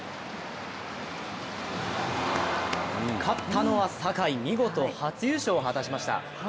勝ったのは坂井、見事初優勝を果たしました。